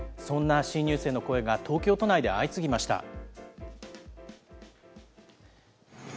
そんな新入生の声が東京都内で相次ぎました。